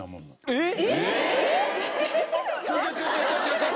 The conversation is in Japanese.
えっ？